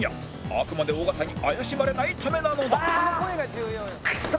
あくまで尾形に怪しまれないためなのだ